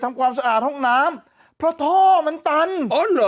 ความสะอาดห้องน้ำเพราะท่อมันตันอ๋อเหรอ